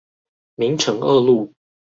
明誠二路